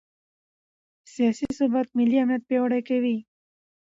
سیاسي ثبات ملي امنیت پیاوړی کوي